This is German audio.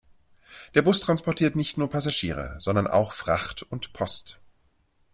Der Bus transportiert nicht nur Passagiere, sondern auch Fracht und Post.